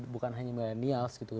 bukan hanya milenial gitu